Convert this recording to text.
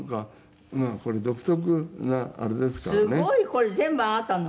これ全部あなたの？